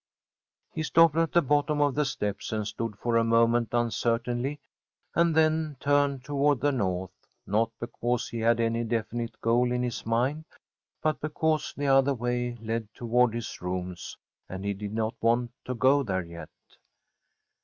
He stopped at the bottom of the steps, and stood for a moment uncertainly, and then turned toward the north, not because he had any definite goal in his mind, but because the other way led toward his rooms, and he did not want to go there yet.